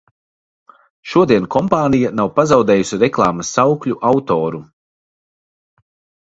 Šodien kompānija nav pazaudējusi reklāmas saukļu autoru.